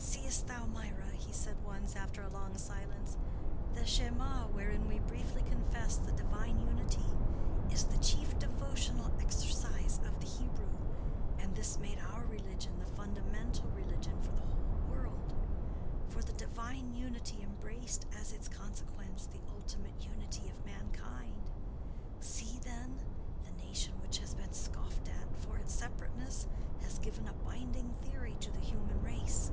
"Seest thou, Mirah," he said once, after a long silence, "the Shemah, wherein we briefly confess the divine Unity, is the chief devotional exercise of the Hebrew; and this made our religion the fundamental religion for the whole world; for the divine Unity embraced as its consequence the ultimate unity of mankind. See, then—the nation which has been scoffed at for its separateness, has given a binding theory to the human race.